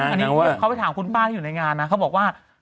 อันนี้เขาไปถามคุณป้าที่อยู่ในงานนะเขาบอกว่า